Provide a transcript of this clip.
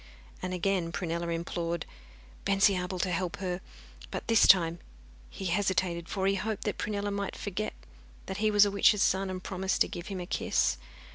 And again Prunella implored Bensiabel to help her. But this time he hesitated, for he hoped that Prunella might forget that he was a witch's son, and promise to give him a kiss.